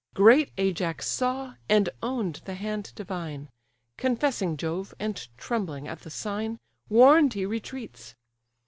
Great Ajax saw, and own'd the hand divine; Confessing Jove, and trembling at the sign, Warn'd he retreats.